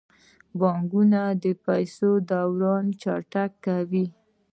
بانکونه د پیسو دوران چټکوي.